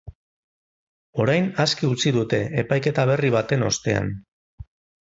Orain aske utzi dute, epaiketa berri baten ostean.